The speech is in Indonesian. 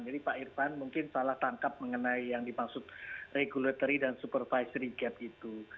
jadi pak irfan mungkin salah tangkap mengenai yang dimaksud regulatory dan supervisory gap gitu